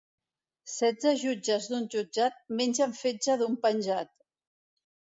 Setze jutges d'un jutjat mengen fetge d'un penjat